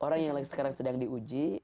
orang yang sekarang sedang diuji